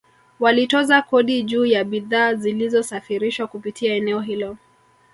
Walitoza kodi juu ya bidhaa zilizosafirishwa kupitia eneo hilo